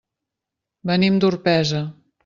Venim d'Orpesa.